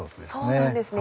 そうなんですね